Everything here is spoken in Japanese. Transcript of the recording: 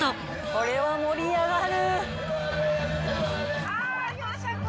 これは盛り上がる！